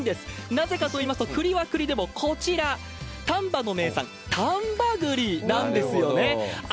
なぜかと言いますと、栗は栗でも、こちら、丹波の名産、丹波栗なんですよね。